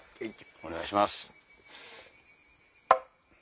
お願いします。